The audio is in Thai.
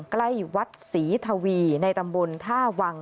ใกล้วัดศรีทวีในตำบลท่าวัง